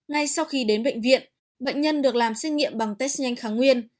ngay sau khi đến bệnh viện bệnh nhân được làm xét nghiệm bằng test nhanh kháng nguyên